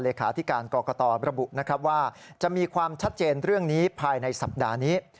เลขาธิการกรกตระบุนะครับว่าจะมีความชัดเจนเรื่องนี้ภายในสัปดาห์นี้